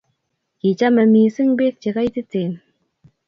Kichomei mising beek che kaititen